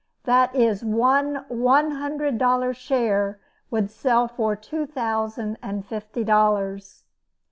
That is, one one hundred dollar share would sell for two thousand and fifty dollars.